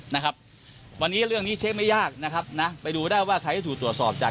นะครับวันนี้เรื่องนี้เช็คไม่ยากนะครับนะไปดูได้ว่าใครที่ถูกตรวจสอบจาก